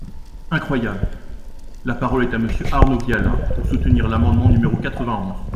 Incroyable ! La parole est à Monsieur Arnaud Viala, pour soutenir l’amendement numéro quatre-vingt-onze.